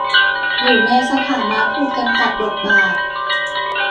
อยู่ในสถานะถูกจำกัดบทบาท